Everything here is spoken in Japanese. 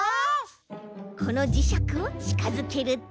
このじしゃくをちかづけると。